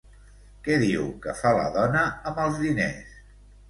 Què diu que fa la dona amb els diners?